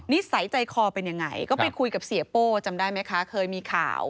นิสัยใจคอเป็นยังไง